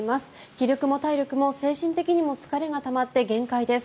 気力も体力も精神的にも疲れがたまって限界です。